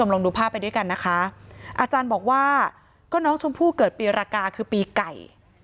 ลองดูภาพไปด้วยกันนะคะอาจารย์บอกว่าก็น้องชมพู่เกิดปีรากาคือปีไก่